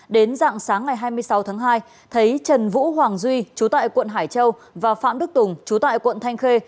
đến dạng sáng ngày hai mươi sáu tháng hai thấy trần vũ hoàng duy chú tại quận hải châu và phạm đức tùng chú tại quận thanh khê